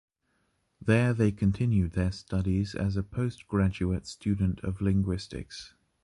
There they continued their studies as a postgraduate student of linguistics.